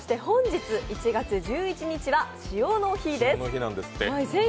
本日１月１１日は塩の日です。